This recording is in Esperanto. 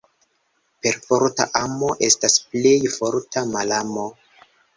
Perforta amo estas plej forta malamo.